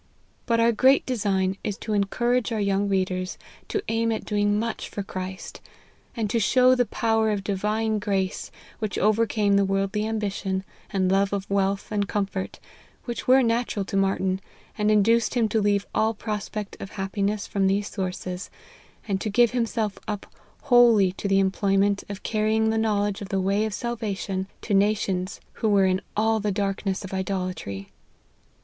But our great design is to encourage our young readers to aim at doing much for Christ ; and to show the power of Divine grace which overcame the worldly ambition, and love of wealth and com fort, which were natural to Martyn, and induced him to leave all prospect of happiness from these sources, and to give himself up wholly to the em ployment of carrying the knowledge of the way of salvation to nations who were in all the darkness of idolatry.